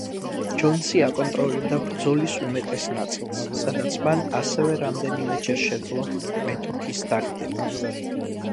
ჯონსი აკონტროლებდა ბრძოლის უმეტეს ნაწილს, სადაც მან ასევე რამდენიმეჯერ შეძლო მეტოქის დაგდება.